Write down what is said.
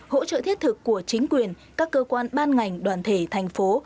hỗ trợ thiết thực của chính quyền các cơ quan ban ngành đoàn thể thành phố